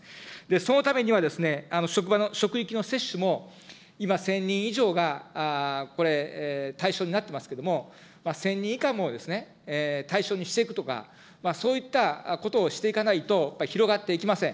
そのためには、職場の、職域の接種も、今１０００人以上が対象になってますけれども、１０００人以下も対象にしていくとか、そういったことをしていかないと、やっぱり広がっていきません。